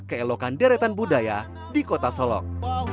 keelokan deretan budaya di kota solok